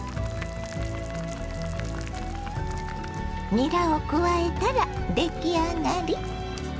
にらを加えたら出来上がり。